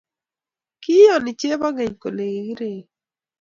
ki iyoni chebo keny kole kikirei